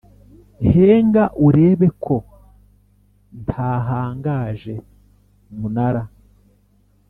henga urebe ko ntahangaje munara